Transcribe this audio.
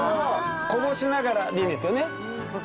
こぼしながらでいいんですよね？